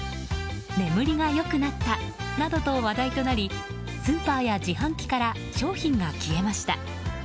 眠りが良くなったなどと話題となりスーパーや自販機から商品が消えました。